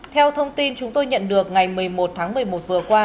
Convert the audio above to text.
theo thông tin chúng tôi nhận được ngày một mươi một tháng một mươi một vừa qua